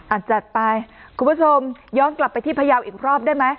จัดไปคุณผู้ชมย้อนกลับไปที่พยาวอีกรอบได้ไหม